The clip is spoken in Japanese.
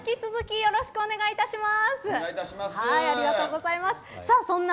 よろしくお願いします。